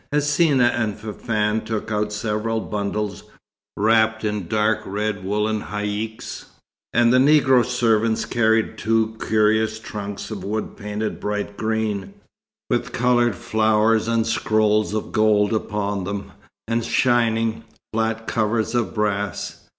Hsina and Fafann took out several bundles, wrapped in dark red woollen haïcks, and the Negro servants carried two curious trunks of wood painted bright green, with coloured flowers and scrolls of gold upon them, and shining, flat covers of brass.